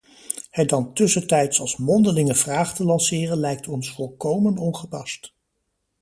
Het dan tussentijds als mondelinge vraag te lanceren lijkt ons volkomen ongepast.